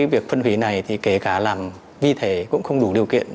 chính vì việc phân hủy này kể cả làm vi thể cũng không đủ điều kiện